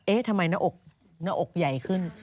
ทำไมหน้าอกใหญ่ขึ้น